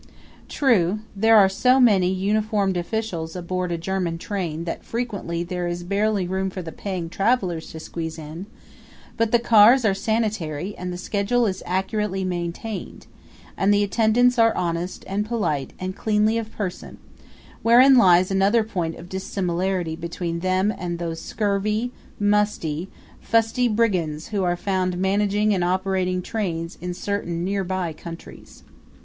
True, there are so many uniformed officials aboard a German train that frequently there is barely room for the paying travelers to squeeze in; but the cars are sanitary and the schedule is accurately maintained, and the attendants are honest and polite and cleanly of person wherein lies another point of dissimilarity between them and those scurvy, musty, fusty brigands who are found managing and operating trains in certain nearby countries.